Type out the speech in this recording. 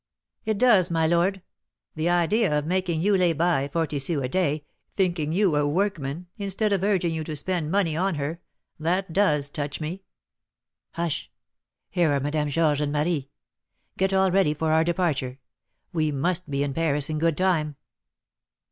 "It does, my lord; the idea of making you lay by forty sous a day, thinking you a workman, instead of urging you to spend money on her; that does touch me." "Hush; here are Madame Georges and Marie. Get all ready for our departure; we must be in Paris in good time."